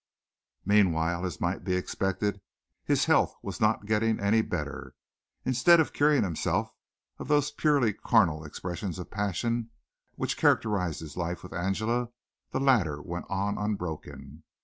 Meanwhile, as might be expected, his health was not getting any better. Instead of curing himself of those purely carnal expressions of passion which characterized his life with Angela, the latter went on unbroken.